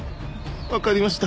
わかりました。